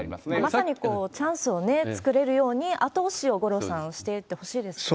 まさにチャンスを作れるように、後押しを、五郎さん、していってほしいですよね。